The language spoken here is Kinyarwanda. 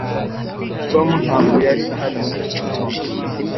tom ntabwo yari ahari muri iki gitondo.